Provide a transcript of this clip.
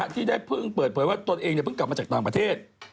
ที่ได้เพิ่งเปิดเผยว่าตนเองเพิ่งกลับมาจากต่างประเทศ